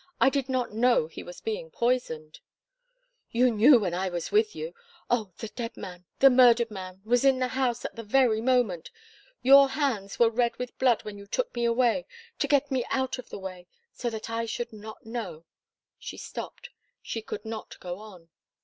I did not know he was being poisoned." "You knew when I was with you. Oh! the dead man the murdered man was in the house at the very moment! Your hands were red with blood when you took me away to get me out of the way so that I should not know " She stopped, she could not go on.